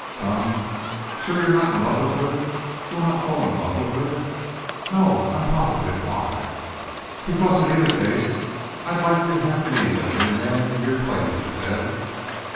"Son, sure you're not in love with her you'll not fall in love with her?" "No. I am positive. Why?" "Because in either case I'd likely have need of a new man in your place," he said.